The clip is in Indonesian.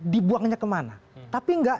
dibuangnya kemana tapi enggak